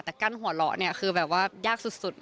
แต่กั้นหัวเราะเนี่ยคือแบบว่ายากสุด